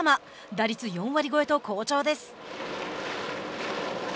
打率４割超えと好調です。